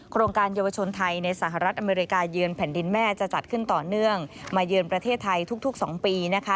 โครงการเยาวชนไทยในสหรัฐอเมริกาเยือนแผ่นดินแม่จะจัดขึ้นต่อเนื่องมาเยือนประเทศไทยทุก๒ปีนะคะ